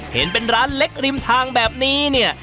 เห็นเป็นร้านเล็กริมทางแบบนี้เนี่ย